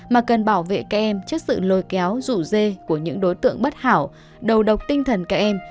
mà cần bảo vệ các em trước sự lôi kéo rủ dê của những đối tượng bất hảo đầu độc tinh thần các em